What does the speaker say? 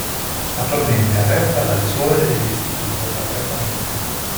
Attualmente è retta dalle suore dell'Istituto Sacra Famiglia.